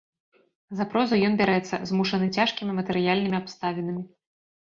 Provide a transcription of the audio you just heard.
За прозу ён бярэцца, змушаны цяжкімі матэрыяльнымі абставінамі.